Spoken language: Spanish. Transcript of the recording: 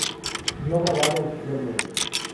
No grabado oficialmente.